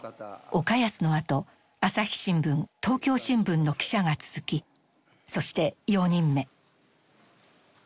岡安のあと朝日新聞東京新聞の記者が続きそして４人目。